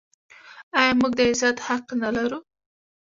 آیا موږ د عزت حق نلرو؟